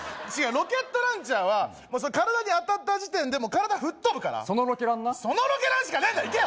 ロケットランチャーは体に当たった時点で体吹っ飛ぶからそのロケランなそのロケランしかねえんだいけよ！